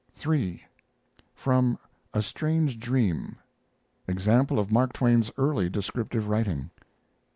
III. FROM "A STRANGE DREAM" (Example of Mark Twain's Early Descriptive Writing)